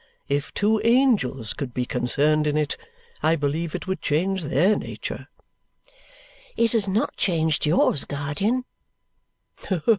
If two angels could be concerned in it, I believe it would change their nature." "It has not changed yours, guardian."